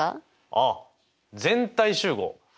あっ全体集合。